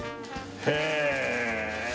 へえ！